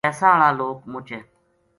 پیسا ہالا لوک مچ ہے۔